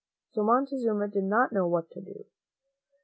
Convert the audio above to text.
So Monte zuma did not know what to do.